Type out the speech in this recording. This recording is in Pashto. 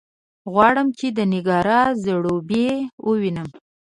غواړم چې د نېګارا ځړوبی ووینم.